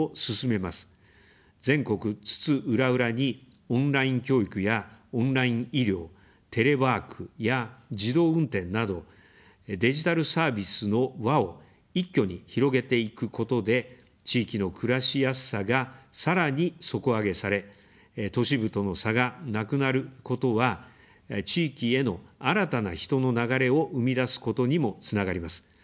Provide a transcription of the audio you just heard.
全国津々浦々に、オンライン教育やオンライン医療、テレワークや自動運転など、デジタルサービスの輪を一挙に広げていくことで、地域の暮らしやすさが、さらに底上げされ、都市部との差がなくなることは、地域への新たな人の流れを生み出すことにもつながります。